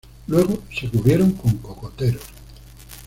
Luego se cubrieron con cocoteros.